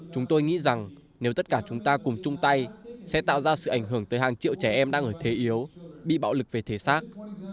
chúng tôi nghĩ rằng nếu tất cả chúng ta cùng chung tay sẽ tạo ra sự ảnh hưởng tới hàng triệu trẻ em đang ở thế yếu bị bạo lực về thể xác